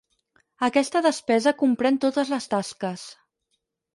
Aquesta despesa comprèn totes les tasques.